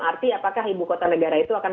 arti apakah ibu kota negara itu akan